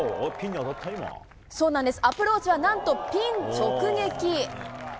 そうなんです、アプローチはなんとピン直撃。